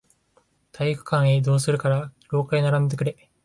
体育館へ移動するから、廊下へ並んでくれ。